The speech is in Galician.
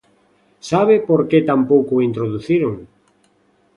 ¿Sabe por que tampouco o introduciron?